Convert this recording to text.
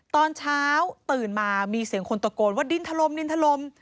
ตอนเช้าตื่นมามีเสียงคนตะโกนว่าดินถล่มดินถล่ม